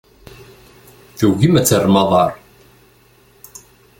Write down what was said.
Tugim ad terrem aḍar.